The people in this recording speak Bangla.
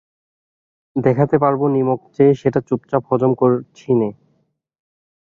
দেখাতে পারব নিমক খেয়ে সেটা চুপচাপ হজম করছি নে।